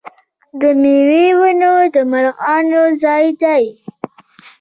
د میوو ونې د مرغانو ځالې دي.